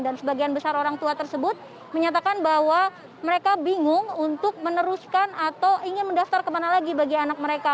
dan sebagian besar orang tua tersebut menyatakan bahwa mereka bingung untuk meneruskan atau ingin mendaftar kemana lagi bagi anak mereka